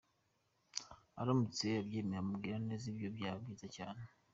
Aramutse abyemeye umubwira neza nibyo byaba byiza cyane.